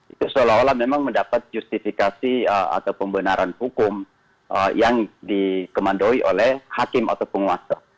itu seolah olah memang mendapat justifikasi atau pembenaran hukum yang dikemandoi oleh hakim atau penguasa